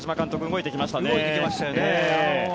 動いてきましたね。